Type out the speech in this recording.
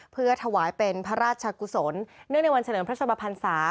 เพื่อถวายเป็นพระราชกุศลเนื่องในวันเฉลิมพระชมพันศา